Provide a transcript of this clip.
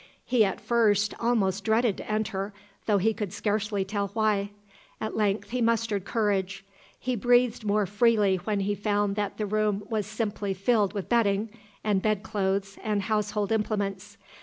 He at first almost dreaded to enter, though he could scarcely tell why. At length he mustered courage. He breathed more freely when he found that the room was simply filled with bedding and bed clothes and household implements.